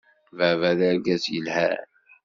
Baba d argaz yelhan.